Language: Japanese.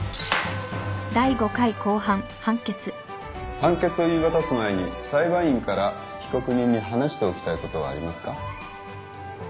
判決を言い渡す前に裁判員から被告人に話しておきたいことはありますか。